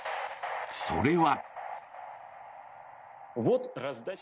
それは。